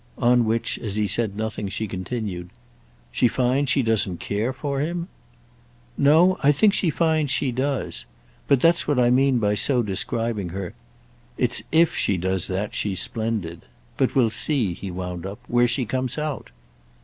On which as he said nothing she continued: "She finds she doesn't care for him?" "No—I think she finds she does. But that's what I mean by so describing her. It's if she does that she's splendid. But we'll see," he wound up, "where she comes out."